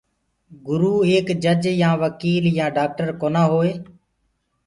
گُرو ايڪ جيج يآ وڪيل يآ ڊآڪٽر ڪونآ هٽوئي۔